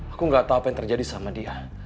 aku nggak tahu apa yang terjadi sama dia